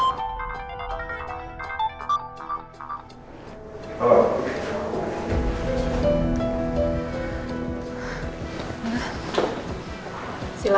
aku kangen sama mbak